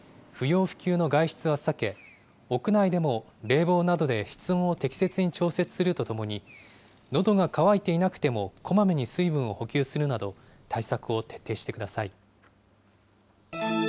熱中症に厳重に警戒し、不要不急の外出は避け、屋内でも冷房などで室温を適切に調節するとともに、のどが渇いていなくてもこまめに水分を補給するなど、対策を徹底してください。